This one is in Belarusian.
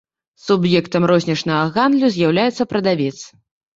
Суб'ектам рознічнага гандлю з'яўляецца прадавец.